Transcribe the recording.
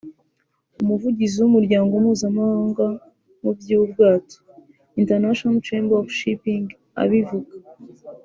umuvugizi w’umuryango mpuzamahanga mu by’ubwato (International Chamber of Shipping) abivuga